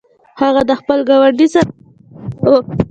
هغه د خپل ګاونډي سره ښه چلند کاوه.